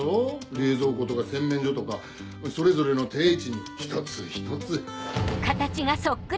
冷蔵庫とか洗面所とかそれぞれの定位置に一つ一つ。